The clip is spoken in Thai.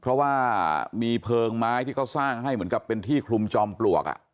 เพราะว่ามีเพลิงไม้ที่เขาสร้างให้เหมือนกับเป็นที่คลุมจอมปลวก